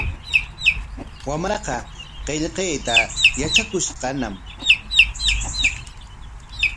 Wamraaqa qillqayta yatrakushqañam.